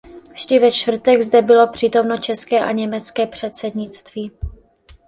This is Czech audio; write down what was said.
Vždy ve čtvrtek zde bylo přítomno české a německé předsednictví.